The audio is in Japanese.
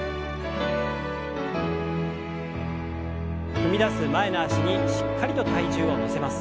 踏み出す前の脚にしっかりと体重を乗せます。